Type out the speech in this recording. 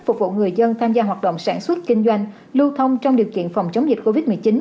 phục vụ người dân tham gia hoạt động sản xuất kinh doanh lưu thông trong điều kiện phòng chống dịch covid một mươi chín